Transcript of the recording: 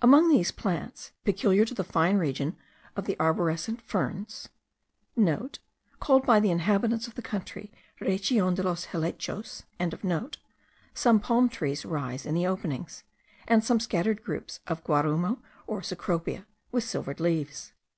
Among these plants, peculiar to the fine region of the arborescent ferns,* (* Called by the inhabitants of the country Region de los helechos.) some palm trees rise in the openings, and some scattered groups of guarumo, or cecropia with silvery leaves.